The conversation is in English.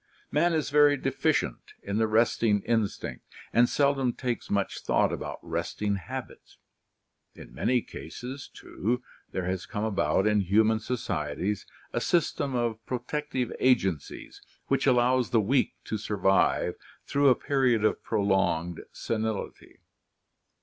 Man is very deficient in the resting in stinct, and seldom takes much thought about resting habits. In many cases, too, there has come about in human societies a system of protective agencies which allows the weak to survive through a period of prolonged senility.